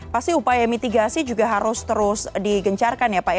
pasti upaya mitigasi juga harus terus digencarkan ya pak ya